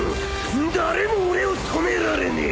誰も俺を止められねえ！